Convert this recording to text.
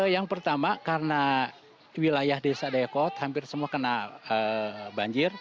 yang pertama karena wilayah desa dayakot hampir semua kena banjir